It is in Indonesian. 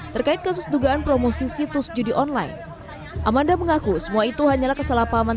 terkait kasus dugaan promosi situs judi online amanda mengaku semua itu hanyalah kesalahpahaman